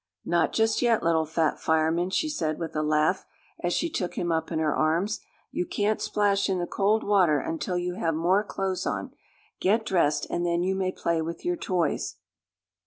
"Not just yet, little fat fireman," she said with a laugh, as she took him up in her arms. "You can't splash in the cold water until you have more clothes on. Get dressed and then you may play with your toys."